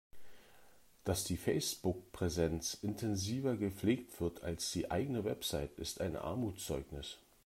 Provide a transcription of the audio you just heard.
Dass die Facebook-Präsenz intensiver gepflegt wird als die eigene Website, ist ein Armutszeugnis.